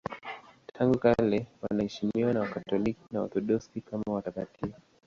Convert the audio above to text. Tangu kale wanaheshimiwa na Wakatoliki na Waorthodoksi kama watakatifu.